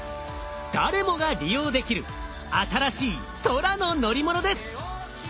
誰もが利用できる新しい空の乗り物です。